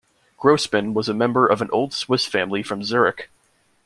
Grossmann was a member of an old Swiss family from Zurich.